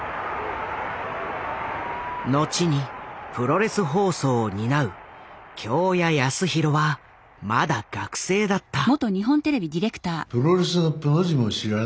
後にプロレス放送を担う京谷康弘はまだ学生だった。